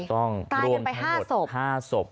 ตายกันไป๕ศพ